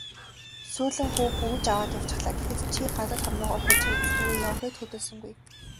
"Сүүлэн хүү бөгж аваад явчихлаа" гэхэд "Чи гадаад хормойгоор хужир идсэнээрээ яв" гээд хөдөлсөнгүй.